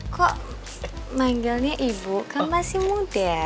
kok manggelnya ibu kan masih muda